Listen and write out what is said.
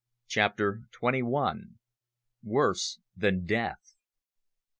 CHAPTER TWENTY ONE. "WORSE THAN DEATH."